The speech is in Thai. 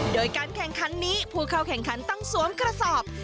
โดยการแข่งขันนี้ผู้เข้าแข่งขันต้องสวมกระสอบ